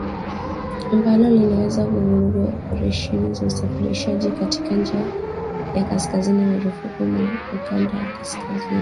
Ambalo linaweza kuvuruga operesheni za usafirishaji katika njia ya kaskazini maarufu kama Ukanda wa Kaskazini.